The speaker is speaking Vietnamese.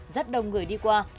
rất đông người đi qua